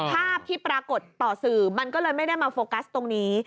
ภาพที่ปรากฏต่อสื่อมันก็เลยไม่ได้มาโฟกัสตรงนี้